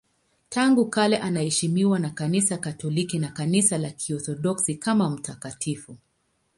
Tangu kale anaheshimiwa na Kanisa Katoliki na Kanisa la Kiorthodoksi kama mtakatifu.